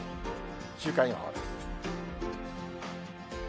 週間予報です。